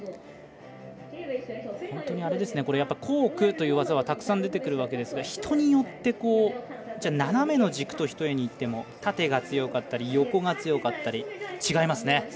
本当に、コークという技はたくさん出てくるわけですが人によって斜めの軸とひとえに言っても縦が強かったり、横が強かったり違いますね。